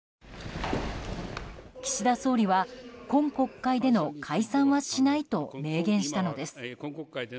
岸田総理は今国会での解散はしないと明言したのです。